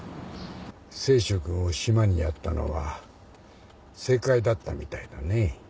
清舟君を島にやったのは正解だったみたいだねぇ。